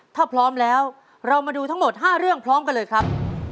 ถ้าพร้อมแล้วเรามาดูทั้งหมด๕เรื่องพร้อมกันเลยครับ